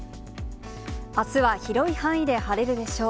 あすは広い範囲で晴れるでしょう。